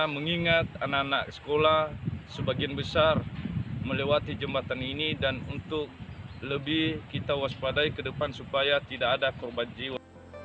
mengingat anak anak sekolah sebagian besar melewati jembatan ini dan untuk lebih kita waspadai ke depan supaya tidak ada korban jiwa